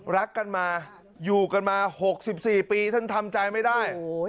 รักกันมาอยู่กันมา๖๔ปีท่านทำใจไม่ได้